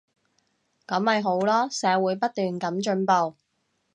噉咪好囉，社會不斷噉進步